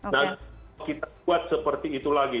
nah kita buat seperti itu lagi